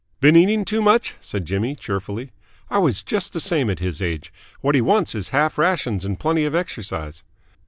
"Been eating too much?" said Jimmy cheerfully. "I was just the same at his age. What he wants is half rations and plenty of exercise."